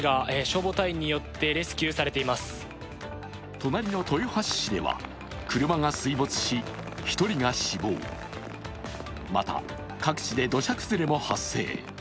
隣の豊橋市では車が水没し１人が死亡、また各地で土砂崩れも発生。